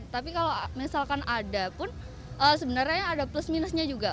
tapi kalau misalkan ada pun sebenarnya ada plus minusnya juga